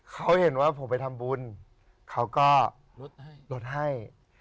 เขาเห็นว่าผมไปทำบุญเขาก็ลดให้